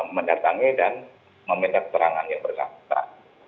mendatangi dan meminta keterangan yang bersangkutan